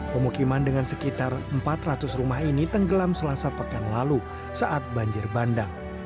pemukiman dengan sekitar empat ratus rumah ini tenggelam selasa pekan lalu saat banjir bandang